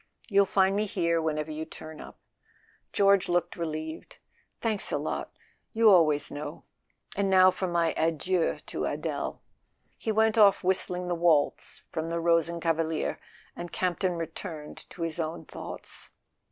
You'll find me here whenever you turn up." George looked relieved. "Thanks a lot—you always know. And now for my adieux to Adele." He went off whistling the waltz from the Rosen kavalier, and Campton returned to his own thoughts.